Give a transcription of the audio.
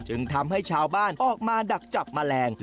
จึงทำให้ชาวบ้านออกมาดักจับแมลง